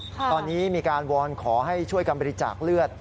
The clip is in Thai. ตอนนี้มีการวอนขอให้ช่วยกันบริจาคเลือด